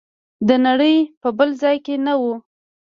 د نړۍ په بل ځای کې نه و.